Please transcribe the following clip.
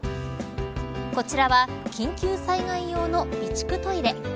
こちらは緊急災害用の備蓄トイレ。